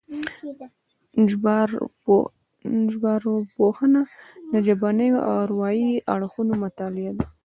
ژبارواپوهنه د ژبنيو او اروايي اړخونو مطالعه ده